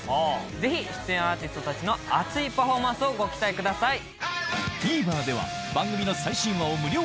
ぜひ出演アーティストたちの熱いパフォーマンスをご期待ください。